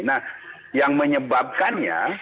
nah yang menyebabkannya